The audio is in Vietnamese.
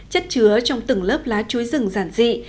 chất chứa trong từng lớp lá chuối rừng giản dị